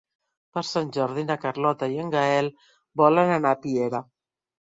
Per Sant Jordi na Carlota i en Gaël volen anar a Piera.